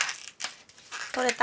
取れた？